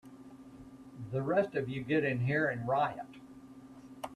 The rest of you get in here and riot!